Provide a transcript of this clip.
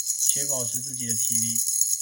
且保持自己的體力